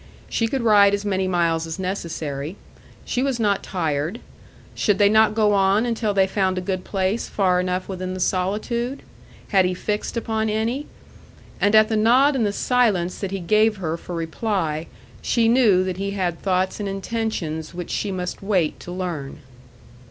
She could ride as many miles as necessary. She was not tired. Should they not go on until they found a good place far enough within the solitude? Had he fixed upon any? And at the nod and the silence that he gave her for reply, she knew that he had thoughts and intentions which she must wait to learn.